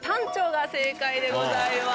正解でございます。